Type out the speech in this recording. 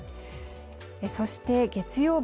そして月曜日